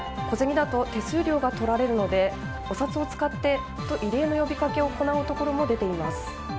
小銭だと手数料がとられるのでお札を使ってと異例の呼びかけを行うところも出てきています。